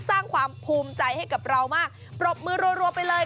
สร้างความภูมิใจให้กับเรามากปรบมือรัวไปเลย